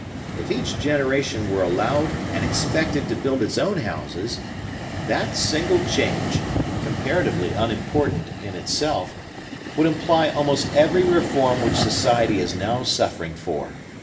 If each generation were allowed and expected to build its own houses, that single change, comparatively unimportant in itself, would imply almost every reform which society is now suffering for.